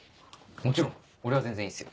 もちろん俺は全然いいっすよ